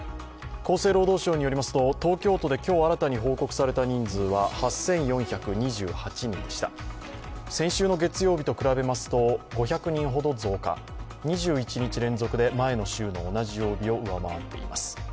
厚生労働省によりますと東京都で今日新たに報告された人数は８４２８人でした、先週の月曜日と比べますと５００人ほど増加、２１日連続で前の週の同じ曜日を上回っています。